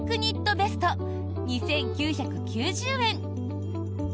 ベスト２９９０円。